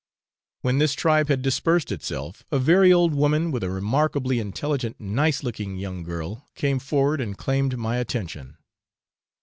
When this tribe had dispersed itself, a very old woman with a remarkably intelligent, nice looking young girl, came forward and claimed my attention.